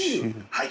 はい。